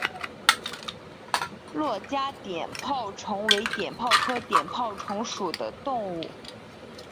珞珈碘泡虫为碘泡科碘泡虫属的动物。